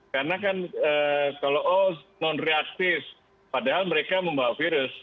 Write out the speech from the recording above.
karena kan kalau non reaktif padahal mereka membawa virus